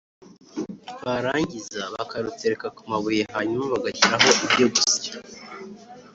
barangiza bakarutereka ku mabuye hanyuma bagashyiraho ibyo gusya,